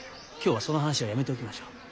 今日はその話はやめておきましょう。